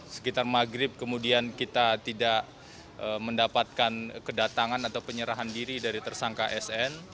sekitar maghrib kemudian kita tidak mendapatkan kedatangan atau penyerahan diri dari tersangka sn